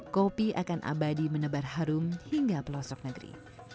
kopi akan abadi menebar harum hingga pelosok negeri